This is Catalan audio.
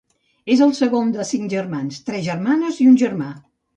És el segon de cinc germans: tres germanes i un germà.